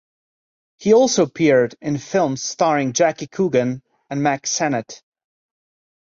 He also appeared in films starring Jackie Coogan and Mack Sennett.